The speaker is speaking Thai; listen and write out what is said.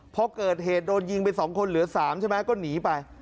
พอเกิดเหตุโดนยิงไป๒คนเหลือ๓ใช่ไหมก็หนีไป